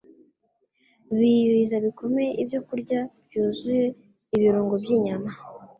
biyuhiza bikomeye ibyokurya byuzuye ibirungo by’inyama